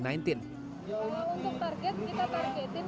kalau untuk target kita targetin hari ini ada lima ratus repit